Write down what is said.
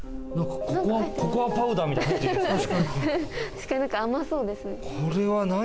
確かになんか甘そうですね。